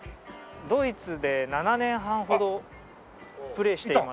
ドイツで７年半ほどプレーしていまして。